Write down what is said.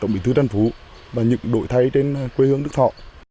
tổng bí thư trần phú và những đổi thay trên quê hương đức thọ